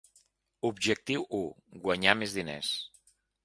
Objectiu u, guanyar més diners.